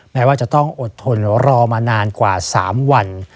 แม้ว่าจะต้องอดทนรอมานานกว่า๓วัน